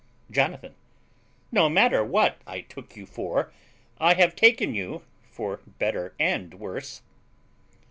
Jonathan. No matter what I took you for: I have taken you for better and worse.